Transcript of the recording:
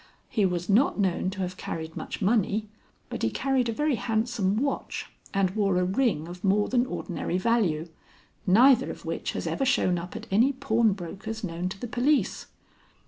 He was not known to have carried much money, but he carried a very handsome watch and wore a ring of more than ordinary value, neither of which has ever shown up at any pawnbroker's known to the police.